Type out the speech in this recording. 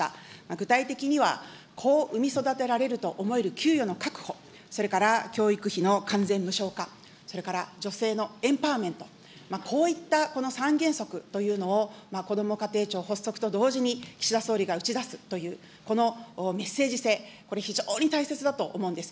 具体的には、子を産み育てられると思える給与の確保、それから教育費の完全無償化、それから女性のエンパワーメント、こういったこの３原則というのを、こども家庭庁発足と同時に、岸田総理が打ち出すという、このメッセージ性、これ、非常に大切だと思うんです。